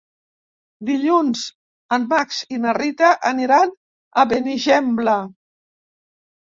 Dilluns en Max i na Rita aniran a Benigembla.